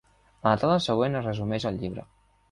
En la taula següent es resumeix el llibre.